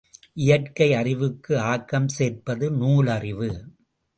இயற்கை அறிவுக்கு ஆக்கம் சேர்ப்பது நூலறிவு.